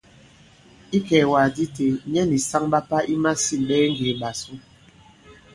Ikɛ̀ɛ̀wàgàdi itē, nyɛ nì saŋ ɓa pà i masîn ɓɛɛ ŋgè ìɓàsu.